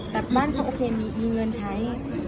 แต่บ้านเขาโอเคมีเงินใช้